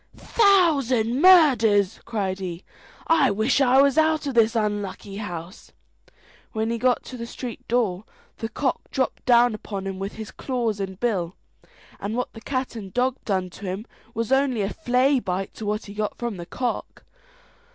"Thousand murders!" cried he; "I wish I was out of this unlucky house." When he got to the street door, the cock dropped down upon him with his claws and bill, and what the cat and dog done to him was only a flay bite to what he got from the cock.